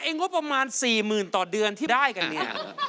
งบประมาณ๔๐๐๐ต่อเดือนที่ได้กันเนี่ย